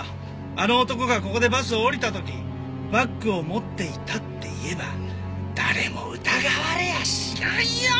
あの男がここでバスを降りた時バッグを持っていたって言えば誰も疑われやしないよ。